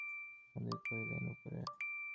অন্নদাবাবু কহিলেন, হেম, চলো তো মা, উপরে।